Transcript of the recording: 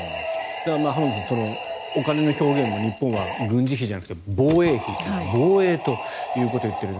浜田さん、お金の表現も日本は軍事費じゃなくて防衛費、防衛ということを言っている。